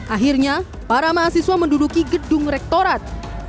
akhirnya para mahasiswa menduduki gedung rektorat